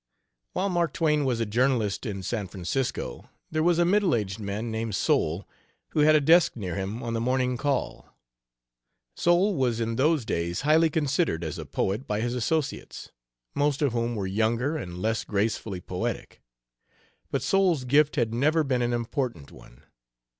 While Mark Twain was a journalist in San Francisco, there was a middle aged man named Soule, who had a desk near him on the Morning Call. Soule was in those days highly considered as a poet by his associates, most of whom were younger and less gracefully poetic. But Soule's gift had never been an important one.